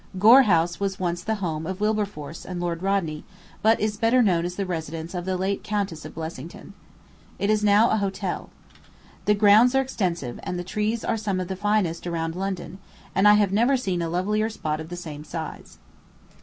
_ Gore House was once the home of Wilberforce and Lord Rodney, but is better known as the residence of the late Countess of Blessington. It is now a hotel. The grounds are extensive, and the trees are some of the finest around London, and I have never seen a lovelier spot of the same size.